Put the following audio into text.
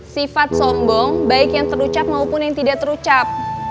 sifat sombong baik yang terucap maupun yang tidak terucap